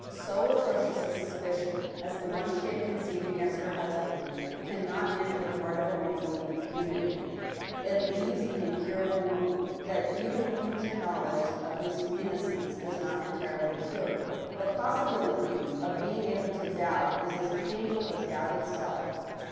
So atrocious a suspicion as the one she had conceived against her husband can not enter the heart of a woman with impunity. It leaves an incurable wound, that even a future knowledge of his innocence does not en tirely cure. The possibility of being able to doubt is as painful as doubt itself.